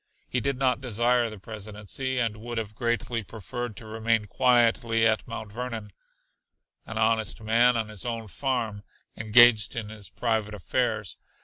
He did not desire the Presidency, and would have greatly preferred to remain quietly at Mount Vernon, "an honest man on his own farm," engaged in his private affairs.